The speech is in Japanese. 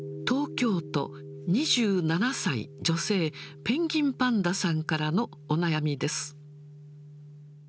東京都、２７歳女性、ぺんぎんぱんださんからのお悩みです。